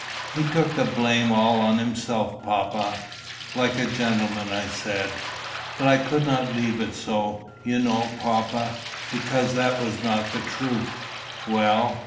"He took the blame all on himself, papa." "Like a gentleman," I said. "But I could not leave it so, you know, papa, because that was not the truth." "Well?"